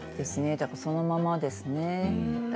だからそのままですね